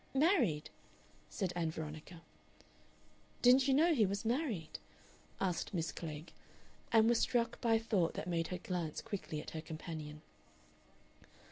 "Married?" said Ann Veronica. "Didn't you know he was married?" asked Miss Klegg, and was struck by a thought that made her glance quickly at her companion.